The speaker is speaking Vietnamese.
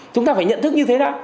chúng ta phải nhận thức như thế đó